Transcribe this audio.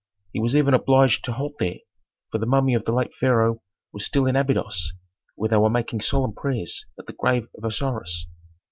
He was even obliged to halt there, for the mummy of the late pharaoh was still in Abydos, where they were making solemn prayers at the grave of Osiris.